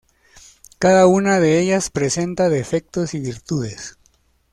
Cada una de ellas, presenta defectos y virtudes.